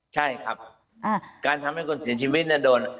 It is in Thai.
ใช่ครับการทำให้คนเสียชีวิตโดน